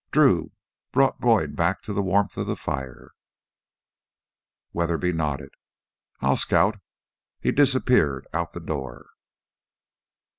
Drew brought Boyd back to the warmth of the fire. Weatherby nodded. "I'll scout." He disappeared out the door.